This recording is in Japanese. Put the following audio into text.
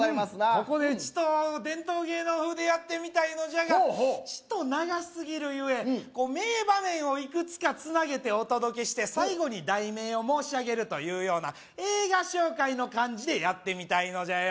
ここでちと伝統芸能風でやってみたいのじゃがほおほおちと長すぎるゆえ名場面をいくつかつなげてお届けして最後に題名を申し上げるというような映画紹介の感じでやってみたいのじゃよ